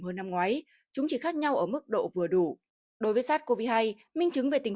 hơn năm ngoái chúng chỉ khác nhau ở mức độ vừa đủ đối với sars cov hai minh chứng về tình